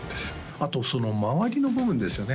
あとその周りの部分ですよね